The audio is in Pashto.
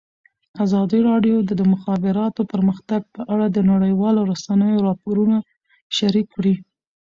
ازادي راډیو د د مخابراتو پرمختګ په اړه د نړیوالو رسنیو راپورونه شریک کړي.